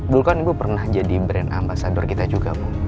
dulu kan ibu pernah jadi brand ambasador kita juga bu